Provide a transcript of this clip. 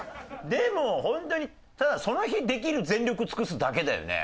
でもホントにただその日できる全力尽くすだけだよね。